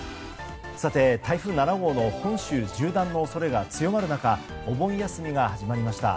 さて、台風７号の本州縦断の恐れが強まる中お盆休みが始まりました。